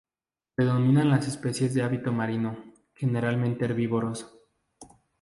Predominan las especies de hábito marino, generalmente herbívoros.